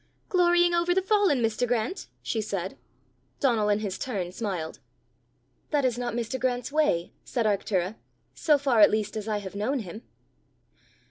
"Glorying over the fallen, Mr. Grant?" she said. Donal in his turn smiled. "That is not Mr. Grant's way," said Arctura, " so far at least as I have known him!"